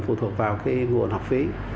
phụ thuộc vào cái nguồn học phí